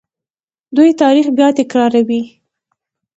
دوی تاریخ بیا تکراروي.